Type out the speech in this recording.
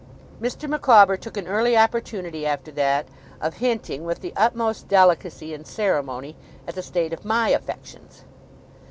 Mr. Micawber took an early opportunity, after that, of hinting, with the utmost delicacy and ceremony, at the state of my affections.